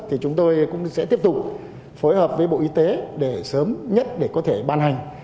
thì chúng tôi cũng sẽ tiếp tục phối hợp với bộ y tế để sớm nhất để có thể ban hành